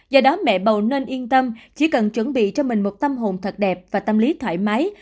do đó mẹ bầu nên yên tâm chỉ cần chuẩn bị cho mình một tâm hồn thật đẹp và tâm lý thoải mái